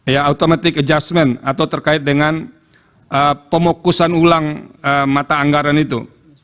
ya automatic adjustment atau terkait dengan pemukusan ulang mata anggaran itu